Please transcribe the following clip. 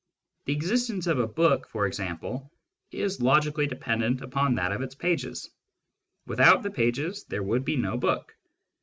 The existence of a book, for example, is logically dependent upon that of its pages : without the pages there would be no book.